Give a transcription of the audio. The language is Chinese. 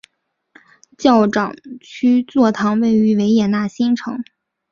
教长区座堂位于维也纳新城。